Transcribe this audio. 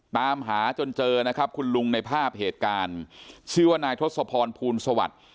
ตามหาจนเจอนะครับคุณลุงในภาพเหตุการณ์ชื่อว่านายทศพรภูลสวัสดิ์